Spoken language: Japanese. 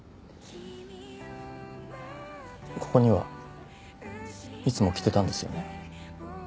ここにはいつも来てたんですよね？